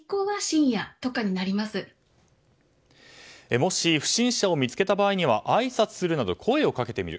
もし不審者を見つけた場合にはあいさつするなど声をかけてみる。